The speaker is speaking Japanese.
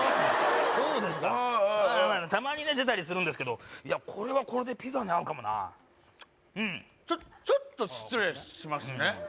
そうですかたまにね出たりするんですけどいやこれはこれでピザに合うかもなうんちょちょっと失礼しますね